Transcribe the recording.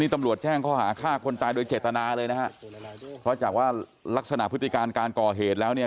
ตำรวจแจ้งข้อหาฆ่าคนตายโดยเจตนาเลยนะฮะเพราะจากว่าลักษณะพฤติการการก่อเหตุแล้วเนี่ย